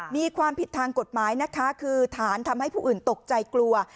มีความผิดทางกฎหมายนะคะคือฐานทำให้ผู้อื่นตกใจกลัว